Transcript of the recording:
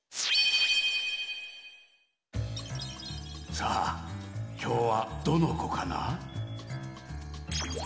さあきょうはどのこかな？